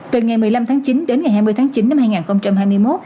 từ ngày một mươi năm tháng chín đến ngày hai mươi tháng chín năm hai nghìn hai mươi một